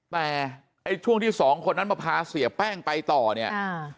แต่ไอ้ช่วงที่สองคนนั้นมาพาเสียแป้งไปต่อเนี่ยอ่า